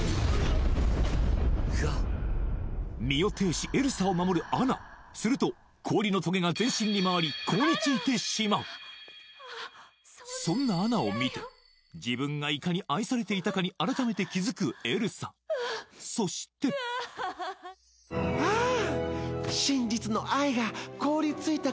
身をていしエルサを守るアナすると氷のトゲが全身に回り凍りついてしまうそんなアナを見て自分がいかに愛されていたかに改めて気づくエルサそしてああっ！